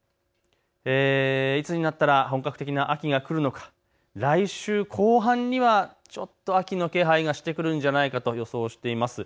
いつになったら本格的な秋が来るのか、来週後半にはちょっと秋の気配がしてくるんじゃないかと予想しています。